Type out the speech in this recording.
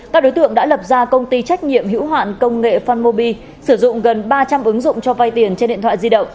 các đối tượng đã lập ra công ty trách nhiệm hữu hạn công nghệ fanmobi sử dụng gần ba trăm linh ứng dụng cho vay tiền trên điện thoại di động